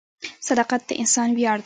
• صداقت د انسان ویاړ دی.